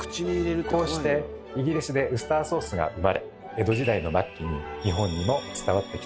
こうしてイギリスでウスターソースが生まれ江戸時代の末期に日本にも伝わってきたとされています。